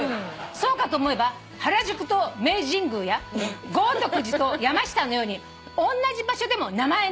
「そうかと思えば原宿と明治神宮や豪徳寺と山下のようにおんなじ場所でも名前の」